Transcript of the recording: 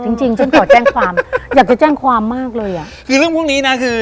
จริงจริงฉันขอแจ้งความอย่าไปแจ้งความมากเลยอ่ะคือเรื่องพวกนี้นะคือ